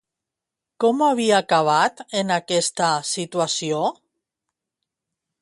Com havia acabat en aquesta situació?